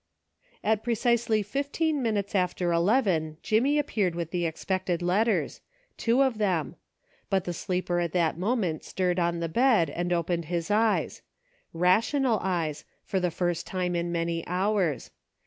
At precisely fifteen minutes after eleven, Jimmy appeared with the expected letters — two of them ; but the sleeper at that moment stirred on the bed, and opened his eyes : rational eyes, for the first time in many hours.